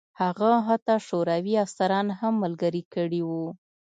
هغه حتی شوروي افسران هم ملګري کړي وو